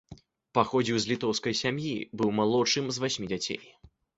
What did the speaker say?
Паходзіў з літоўскай сям'і, быў малодшым з васьмі дзяцей.